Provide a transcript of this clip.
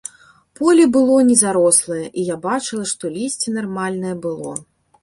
Поле было не зарослае, і я бачыла, што лісце нармальнае было.